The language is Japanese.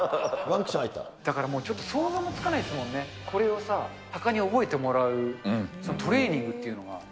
だからもう、ちょっと想像もつかないですもんね、これをさ、たかに覚えてもらうトレーニングっていうのが。